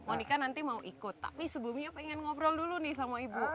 monika nanti mau ikut tapi sebelumnya pengen ngobrol dulu nih sama ibu